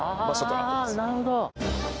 なるほど。